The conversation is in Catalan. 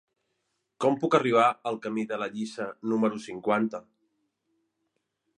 Com puc arribar al camí de la Lliça número cinquanta?